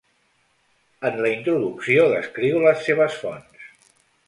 En la introducció descriu les seves fonts.